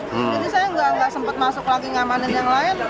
jadi saya nggak sempat masuk lagi ngamanin yang lain